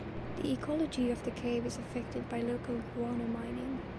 The ecology of the cave is affected by local guano mining.